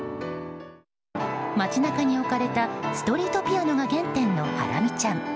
街中に置かれたストリートピアノが原点のハラミちゃん。